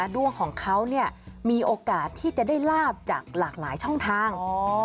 ดวงของเขามีโอกาสที่จะได้ลาบจากหลากหลายช่องทาง